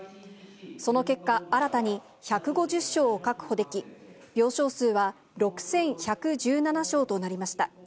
その結果、新たに１５０床を確保でき、病床数は６１１７床となりました。